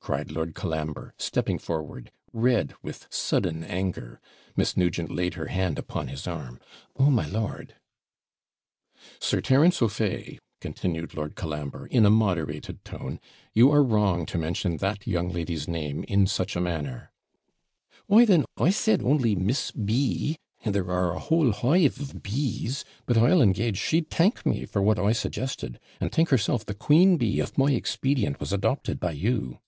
cried Lord Colambre, stepping forward, red with sudden anger. Miss Nugent laid her hand upon his arm 'Oh, my lord!' 'Sir Terence O'Fay,' continued Lord Colambre, in a moderated tone, 'you are wrong to mention that young lady's name in such a manner.' 'Why, then, I said only Miss B , and there are a whole hive of BEES. But I'll engage she'd thank me for what I suggested, and think herself the queen bee if my expedient was adopted by you.'